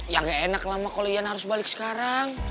ya gak enak lama kalau ian harus balik sekarang